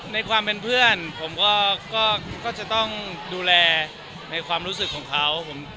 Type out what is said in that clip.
ในความเป็นเพื่อนผมก็จะต้องดูแลในความรู้สึกของเขา